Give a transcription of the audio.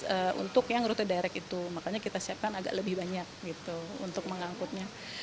jadi kita tambah bus untuk yang rute direct itu makanya kita siapkan agak lebih banyak untuk mengangkutnya